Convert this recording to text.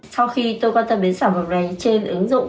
sau khi tôi quan tâm đến sản phẩm này trên ứng dụng